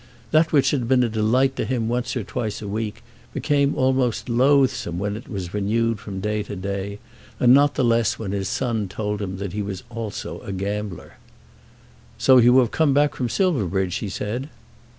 That which had been a delight to him once or twice a week, became almost loathsome when it was renewed from day to day; and not the less when his son told him that he also was a gambler. "So you have come back from Silverbridge?" he said.